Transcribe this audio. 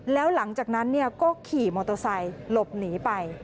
แล้วหลังจากนั้นก็ขี่มอเตอร์ไซค์หลบหนีไป